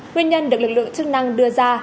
nguyên nhân được lực lượng chức năng đưa ra